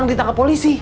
saya ditangkap polisi